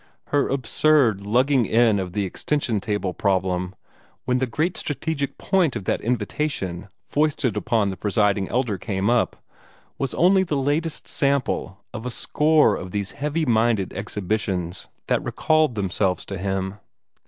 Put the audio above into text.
Her absurd lugging in of the extension table problem, when the great strategic point of that invitation foisted upon the Presiding Elder came up, was only the latest sample of a score of these heavy minded exhibitions that recalled themselves to him.